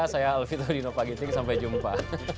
saya alvi taudino pak giting sampai jumpa